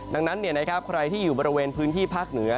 ดังนั้นใครที่อยู่บริเวณพื้นที่ภาคเหนือ